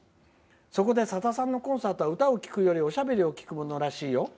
そこで、さださんのコンサートは歌を聴くよりもおしゃべりを聞くものらしいよ。